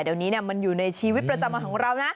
เดี๋ยวนี้มันอยู่ในชีวิตประจำวันของเรานะ